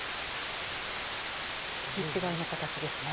切り違いの形ですね。